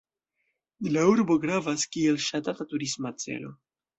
La urbo gravas kiel ŝatata turisma celo.